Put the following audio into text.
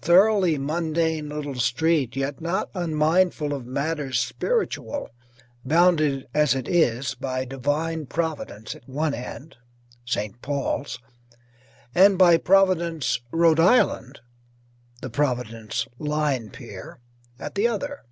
Thoroughly mundane little street, yet not unmindful of matters spiritual, bounded as it is by divine Providence at one end (St. Paul's) and by Providence, R. I. (the Providence Line pier) at the other.